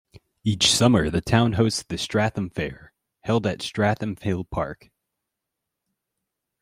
Each summer the town hosts the Stratham Fair, held at Stratham Hill Park.